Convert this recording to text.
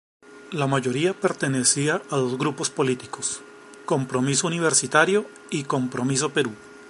La mayoría pertenecía a dos grupos políticos: Compromiso Universitario y Compromiso Perú.